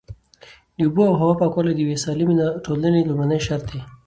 د اوبو او هوا پاکوالی د یوې سالمې ټولنې لومړنی شرط دی.